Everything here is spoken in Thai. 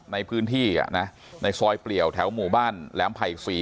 ในพื้นที่ในซอยเปลี่ยวแถวหมู่บ้านแหลมไผ่ศรี